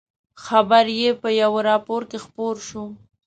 خبر یې په یوه راپور کې خپور شو.